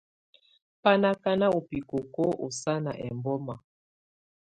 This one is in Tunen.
Bá ná ákaná ú bikóko ɔ́ sánà ɛbɔ́má.